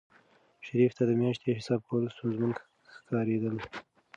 شریف ته د میاشتې حساب کول ستونزمن ښکارېدل.